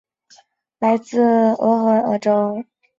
他们来自俄亥俄州。